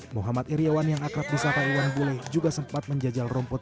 muhammad iryawan yang akrab di sapa iwan bule juga sempat menjajal rumput